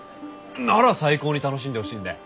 なら最高に楽しんでほしいんで。